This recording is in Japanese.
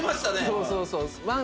そうそう。